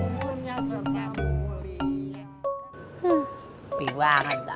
sesuai tanpa takutnya